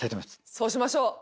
そうしましょう。